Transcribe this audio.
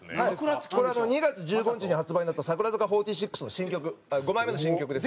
これ２月１５日に発売になった櫻坂４６の新曲５枚目の新曲です。